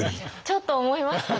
ちょっと思いましたね。